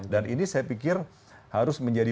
dan ini saya pikir harus menjadi